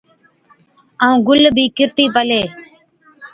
ائُون گُل بِي ڪِرتِي پلي۔